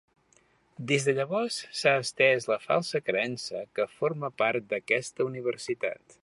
Des de llavors s'ha estès la falsa creença que forma part d'aquesta universitat.